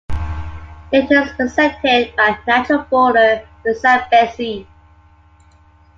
It was bisected by a natural border, the Zambezi.